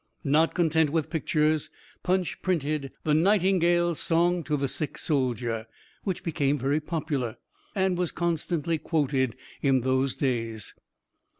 Not content with pictures, Punch printed "The Nightingale's Song to the Sick Soldier," which became very popular, and was constantly quoted in those days.